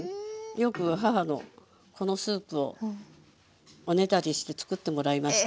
よく母のこのスープをおねだりしてつくってもらいました。